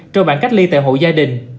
cho bạn cách ly tại hộ gia đình